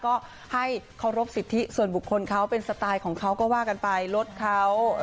ก็ให้เคารพสิทธิส่วนบุคคลเขาเป็นสไตล์ของเขาก็ว่ากันไปรถเขา